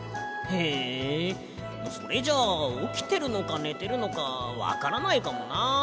へえそれじゃあおきてるのかねてるのかわからないかもな。